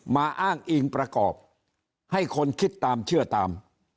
อ้างอิงประกอบให้คนคิดตามเชื่อตาม